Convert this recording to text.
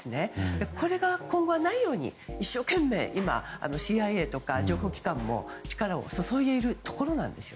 これが、今後はないように一生懸命、ＣＩＡとか情報機関も力を注いでいるところなんです。